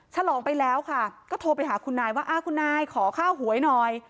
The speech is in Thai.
ฉลองไปแล้วค่ะก็โทรไปหาคุณนายว่าคุณนายขอค่าหวยหน่อย